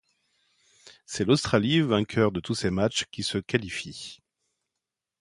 C'est l'Australie, vainqueur de tous ses matchs qui se qualifie.